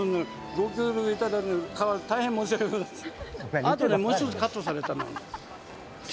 「ご協力頂いたのに大変申し訳ございません」